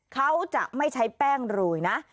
เขาจะไม่ใช้แป้งโรยนะ